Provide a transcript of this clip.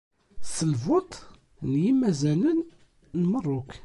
S lvuṭ n yimazanen n Merruk.